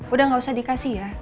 udah gak usah dikasih ya